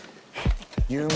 有名？